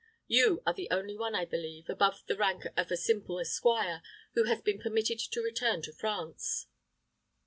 You are the only one, I believe, above the rank of a simple esquire who has been permitted to return to France."